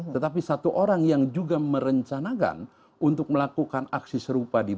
tetapi satu orang yang juga merencanakan untuk melakukan aksi serupa di bali